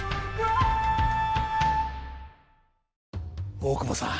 大久保さん。